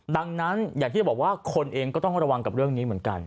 ดังนั้นอย่างที่จะบอกว่าคนเองก็ต้องระวังกับเรื่องนี้เหมือนกัน